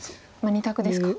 ２択ですか。